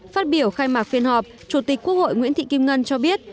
phát biểu khai mạc phiên họp chủ tịch quốc hội nguyễn thị kim ngân cho biết